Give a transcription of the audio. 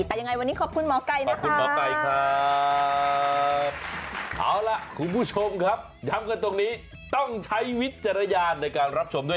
แต่ยังไงวันนี้ขอบคุณหมอกัยนะคะ